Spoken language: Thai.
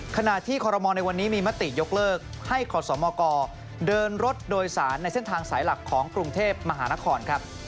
ขณะที่คอรมอลในวันนี้มีมติยกเลิกให้ขอสมกเดินรถโดยสารในเส้นทางสายหลักของกรุงเทพมหานครครับ